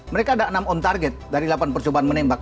mereka ada enam on target dari delapan percobaan menembak